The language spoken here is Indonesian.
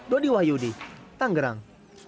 dodi wahyudi tanggerang